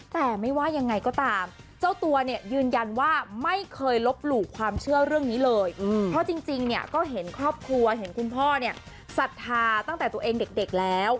แต่ไม่ว่ายังไงก็ตามเจ้าตัวเนี่ยยืนยันว่าไม่เคยลบหลู่ความเชื่อเรื่องนี้เลยเพราะจริงเนี่ยก็เห็นครอบครัวเห็นคุณพ่อเนี่ยศรัทธาตั้งแต่ตัวเองเด็กแล้ว